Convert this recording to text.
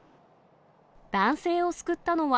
男性を救ったのは、